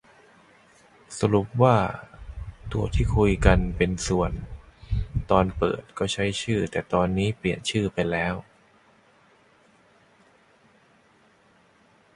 สรุปว่าตัวที่คุยกันเป็น ส่วน ตอนเปิดตัวก็ใช้ชื่อ แต่ตอนนี้เปลี่ยนชื่อไปแล้ว